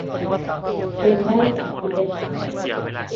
จึงได้จัดกิจกรรม